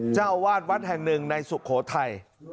เจ้าอาวาสวัดแห่งหนึ่งในสุโขทัย